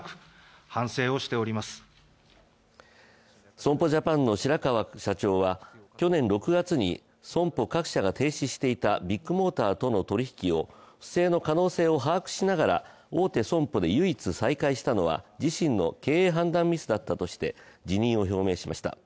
損保ジャパンの白川社長は、去年６月に損保各社が停止していたビッグモーターとの取り引きを不正の可能性を把握しながら大手損保で唯一再開したのは自身の経営判断ミスだったとして辞任を表明しました。